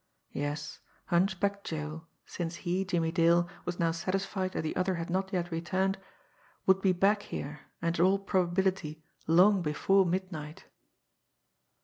Yes, Hunchback Joe, since he, Jimmie Dale, was now satisfied that the other had not yet returned, would be back here, and, in all probability, long before midnight.